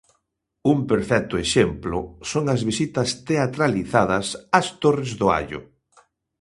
Un perfecto exemplo son as visitas teatralizadas ás Torres do Allo.